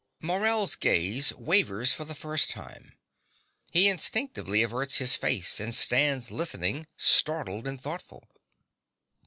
(Morell's gaze wavers for the first time. He instinctively averts his face and stands listening, startled and thoughtful.)